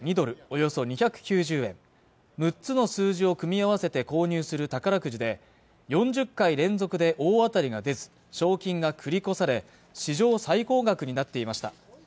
およそ２９０円６つの数字を組み合わせて購入する宝くじで４０回連続で大当たりが出ず賞金が繰り越され史上最高額になっていました